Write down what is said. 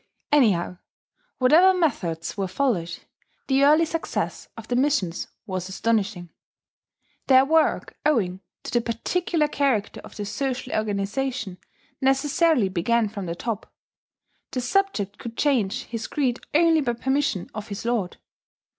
Anyhow, whatever methods were followed, the early success of the missions was astonishing. Their work, owing to the particular character of the social organization, necessarily began from the top: the subject could change his creed only by permission of his lord.